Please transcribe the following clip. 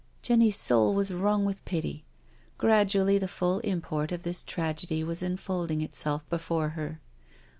Jenny's soul was .wrung with pity. Gradually the full import of .this tragedy was unfolding itself before her.